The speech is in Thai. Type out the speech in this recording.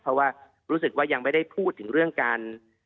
เพราะว่ารู้สึกว่ายังไม่ได้พูดถึงเรื่องการ